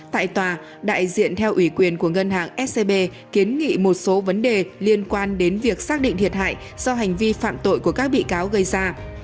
tại tòa đại diện theo ủy quyền của ngân hàng scb kiến nghị một số vấn đề liên quan đến việc xác định thiệt hại do hành vi phạm tội của các bị cáo gây ra